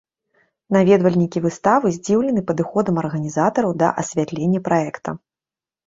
Наведвальнікі выставы здзіўлены падыходам арганізатараў да асвятлення праекта.